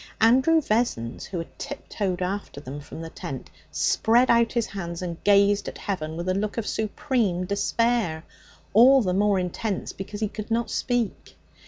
Andrew Vessons, who had tiptoed after them from the tent, spread out his hands and gazed at heaven with a look of supreme despair, all the more intense because he could not speak.